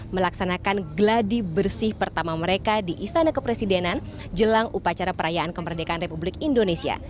melaksanakan gladi bersih pertama mereka di istana kepresidenan jelang upacara perayaan kemerdekaan republik indonesia